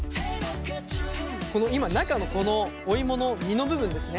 今中のこのお芋の身の部分ですね